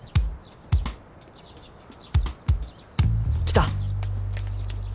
来た！